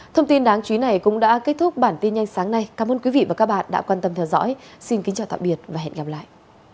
thông tin đáng chú ý này cũng đã kết thúc bản tin nhanh sáng nay cảm ơn quý vị và các bạn đã quan tâm theo dõi xin kính chào tạm biệt và hẹn gặp lại